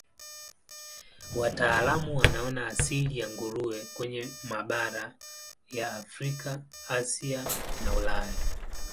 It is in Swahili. Wataalamu wanaona asili ya nguruwe kwenye mabara ya Afrika, Asia na Ulaya.